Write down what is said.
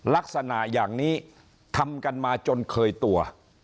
ลักษณะอย่างนี้ทำกันมาจนเคยตัว